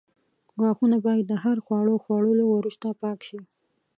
غاښونه باید د هر خواړو خوړلو وروسته پاک شي.